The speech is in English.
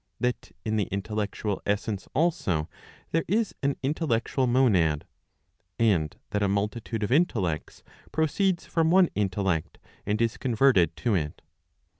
That in the intellectual essence also, there is an intellectual monad ; and that a multitude of intellects proceeds from one intellect, and is converted to it.